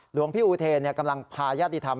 หลวงพี่อุเทนกำลังพาญาติธรรม